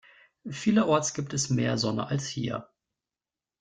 Vielerorts gibt es mehr Sonne als hier.